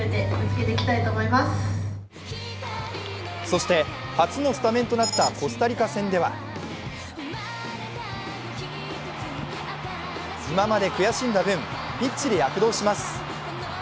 そして初のスタメンとなったコスタリカ戦では今まで苦しんだ分、ピッチで躍動します。